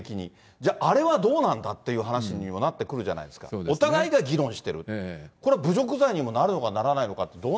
じゃあ、あれはどうなんだっていう話にもなってくるじゃないですか、お互いが議論してる、これ、侮辱罪にもなるのかならないのかって、ど